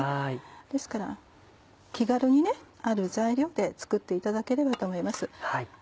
ですから気軽にある材料で作っていただければと思います。